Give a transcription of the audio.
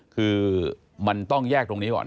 คือมันต้องแยกตรงนี้ก่อน